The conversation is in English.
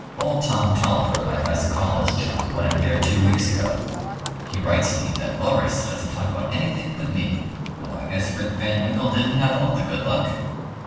Old Tom Tolliver, my best college chum, went up there two weeks ago. He writes me that Loris doesn't talk about anything but me. Oh, I guess Rip Van Winkle didn't have all the good luck!"